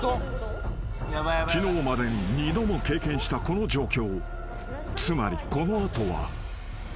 ［昨日までに二度も経験したこの状況］